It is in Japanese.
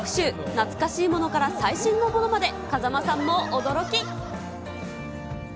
懐かしいものから最新のものまで、風間さんも驚き。